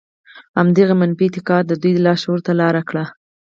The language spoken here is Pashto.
همدغه منفي اعتقاد د دوی لاشعور ته لاره کړې.